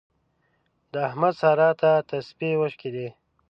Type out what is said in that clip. د احمد سارا ته تسپې وشکېدې.